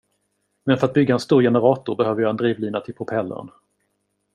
Men för att bygga en stor generator behöver jag en drivlina till propellern.